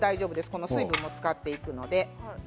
この水分も使っていくので。